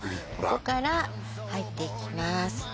ここから入っていきます